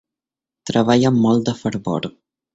Treballa amb molt de fervor.